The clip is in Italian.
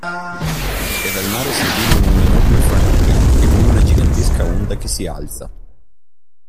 E dal mare sentirono un enorme fragore, e come una gigantesca onda che si alza.